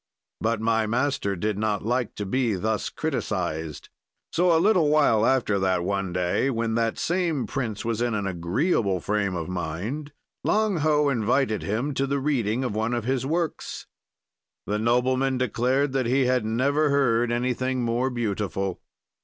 "But my master did not like to be thus criticized. "So, a little while after that, one day, when that same prince was in an agreeable frame of mind, Lang Ho invited him to the reading of one of his works. "The nobleman declared that he had never heard anything more beautiful.